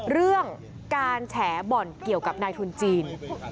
เรื่องการแฉบ่อนเกี่ยวกับนายทุนจีน